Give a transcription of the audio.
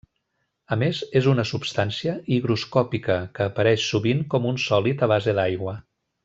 A més és una substància higroscòpica, que apareix sovint com un sòlid a base d'aigua.